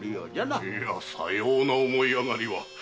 いやさような思い上がりは。